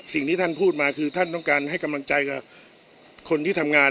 สิ่งที่ท่านพูดมาคือท่านต้องการให้กำลังใจกับคนที่ทำงาน